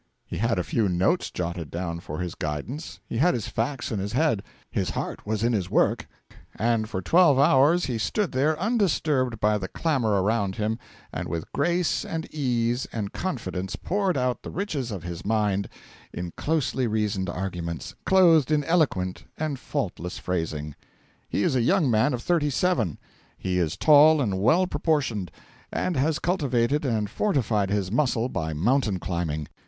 He had a few notes jotted down for his guidance; he had his facts in his head; his heart was in his work; and for twelve hours he stood there, undisturbed by the clamour around him, and with grace and ease and confidence poured out the riches of his mind, in closely reasoned arguments, clothed in eloquent and faultless phrasing. He is a young man of thirty seven. He is tall and well proportioned, and has cultivated and fortified his muscle by mountain climbing.